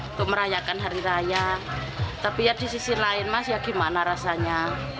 untuk merayakan hari raya tapi ya di sisi lain mas ya gimana rasanya